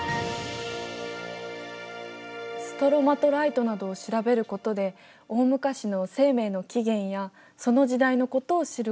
ストロマトライトなどを調べることで大昔の生命の起源やその時代のことを知ることができる。